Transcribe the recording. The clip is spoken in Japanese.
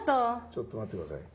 ちょっと待って下さい。